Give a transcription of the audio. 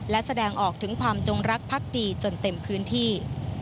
และแสดงออกถึงความจงรักพักดีจนเต็มพื้นที่